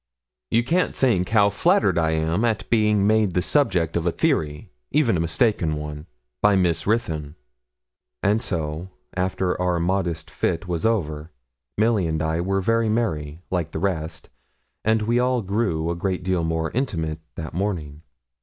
'You can't think how flattered I am at being made the subject of a theory, even a mistaken one, by Miss Ruthyn.' And so, after our modest fit was over, Milly and I were very merry, like the rest, and we all grew a great deal more intimate that morning.